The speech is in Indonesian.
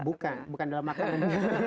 bukan bukan dalam makanan